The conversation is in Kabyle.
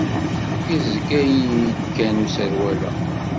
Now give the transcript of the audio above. Yezga-yi-d kan userwal-a.